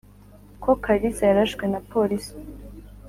ko kalisa yarashwe na police